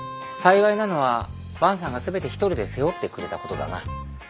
幸いなのは伴さんが全て一人で背負ってくれたことだな。